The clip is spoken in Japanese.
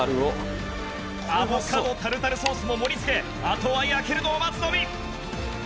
アボカドタルタルソースも盛り付けあとは焼けるのを待つのみ！